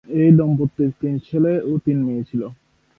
এই দম্পতির তিন ছেলে ও তিন মেয়ে ছিল।